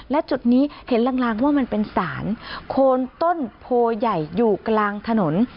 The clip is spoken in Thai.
และจุดนี้เห็นลางว่ามันเป็นสารโคนต้นโพใหญ่อยู่กลางถนน